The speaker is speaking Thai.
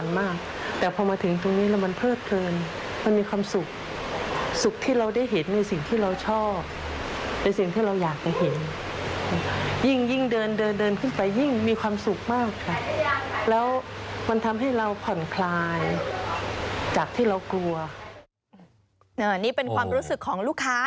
นี่เป็นความรู้สึกของลูกค้า